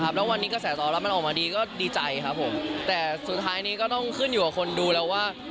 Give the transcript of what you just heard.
แบบแต่สุดท้ายนี้ก็ต้องขึ้นอยู่อังคารดูแล้วว่า